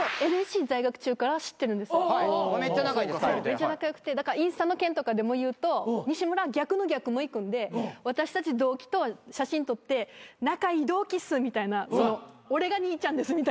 めっちゃ仲良くてインスタの件とかでもいうと西村は逆の逆もいくんで私たち同期と写真撮って仲いい同期っすみたいな俺が兄ちゃんですみたいな。